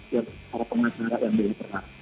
dari para pengacara yang belum pernah